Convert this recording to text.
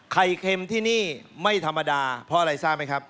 เค็มที่นี่ไม่ธรรมดาเพราะอะไรทราบไหมครับ